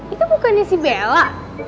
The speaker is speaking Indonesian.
itu bukannya si bella